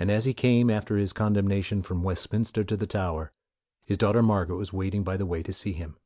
And as he came, after his condemnation, from Westminster to the Tower, his daughter Margaret was waiting by the way to see him.